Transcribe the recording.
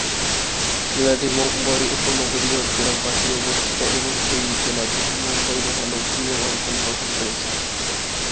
জেলাটি মুম্বই উপনগরীয় জেলার পাশেই অবস্থিত এবং এই জেলা দুটি মুম্বই মহানগরীয় অঞ্চল গঠন করেছে।